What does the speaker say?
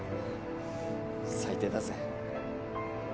最低だぜ。